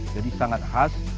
jadi sangat khas